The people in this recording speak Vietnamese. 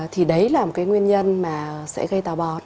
thì đấy là một cái nguyên nhân mà sẽ gây tàu bò